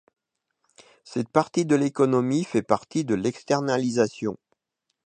Cette partie de l'économie fait partie de l'externalisation.